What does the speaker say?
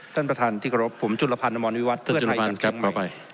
ท่านประธานที่กรบผมจุลภัณฑ์นมวิวัฒน์เพื่อไทยจังงใหม่